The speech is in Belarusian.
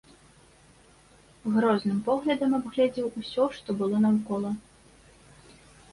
Грозным поглядам абгледзеў усё, што было наўкола.